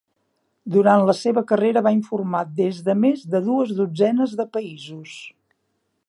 Durant la seva carrera va informar des de més de dues dotzenes de països.